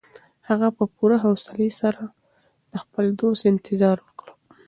هغه په پوره حوصلي سره د خپل دوست انتظار وکړ.